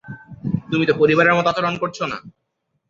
তুমি তো পরিবারের মত আচরন করছ না।